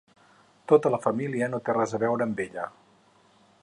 Tota la família no té res a veure amb ella.